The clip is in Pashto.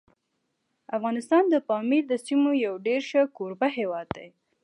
افغانستان د پامیر د سیمو یو ډېر ښه کوربه هیواد دی.